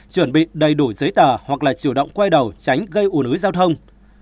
chuẩn bị đầy đủ giấy tờ hoặc là chủ động quay đầu tránh gây ủ nứ giao thông